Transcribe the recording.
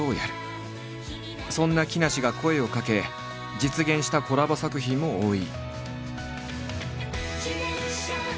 そんな木梨が声をかけ実現したコラボ作品も多い。